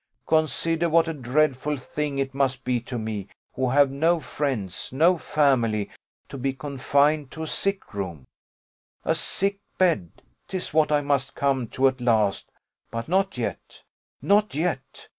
Consider what a dreadful thing it must be to me, who have no friends, no family, to be confined to a sick room a sick bed; 'tis what I must come to at last, but not yet not yet.